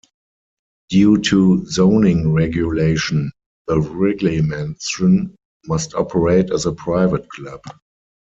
Due to zoning regulation, The Wrigley Mansion must operate as a private club.